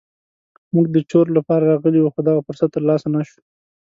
موږ د چور لپاره راغلي وو خو دغه فرصت تر لاسه نه شو.